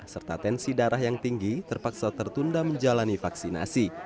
serta tensi darah yang tinggi terpaksa tertunda menjalani vaksinasi